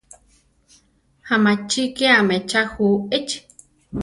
¿Amachíkiame tza ju echi?